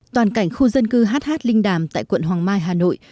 toàn cảnh khu dân cư hh linh đàm tại quận hoàng mai hà nội